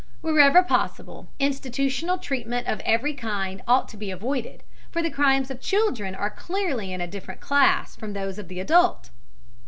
Wherever possible, institutional treatment of every kind ought to be avoided, for the crimes of children are clearly in a different class from those of the adult.